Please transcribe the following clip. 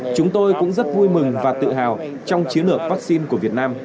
chúng tôi cũng rất vui mừng và tự hào trong chiến lược vaccine của việt nam